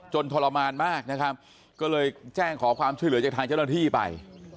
ทรมานมากนะครับก็เลยแจ้งขอความช่วยเหลือจากทางเจ้าหน้าที่ไป